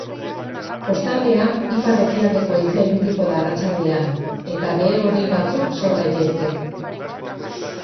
Kostaldean ipar-ekialdeko haizea ibiliko da arratsaldean, eta behe hodei batzuk sor daitezke.